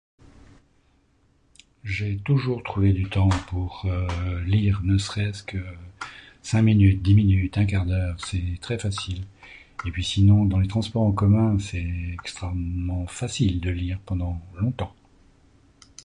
J'ai toujours trouvé du temps pour lire ne serait-ce que cinq minutes, dix minutes, un quart d'heure. C'est très facile. Et puis sinon dans les transports en commun c'est extraordinairement facile de lire pendant longtemps.